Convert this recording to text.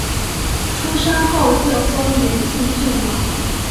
出生后就封延庆郡王。